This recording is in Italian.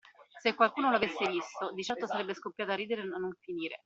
Se qualcuno lo avesse visto, di certo sarebbe scoppiato a ridere a non finire.